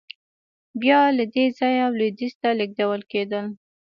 بیا له دې ځایه لوېدیځ ته لېږدول کېدل.